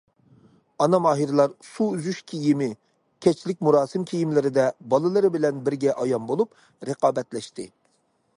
ئانا ماھىرلار سۇ ئۈزۈش كىيىمى، كەچلىك مۇراسىم كىيىملىرىدە بالىلىرى بىلەن بىرگە ئايان بولۇپ، رىقابەتلەشتى.